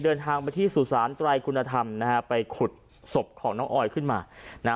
เดินทางไปที่สุสานไตรคุณธรรมนะฮะไปขุดศพของน้องออยขึ้นมานะฮะ